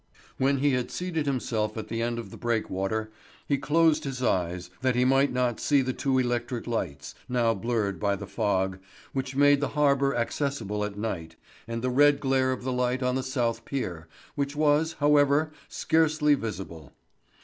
When he had seated himself at the end of the breakwater he closed his eyes, that he might not see the two electric lights, now blurred by the fog, which make the harbour accessible at night, and the red glare of the light on the south pier, which was, however, scarcely visible.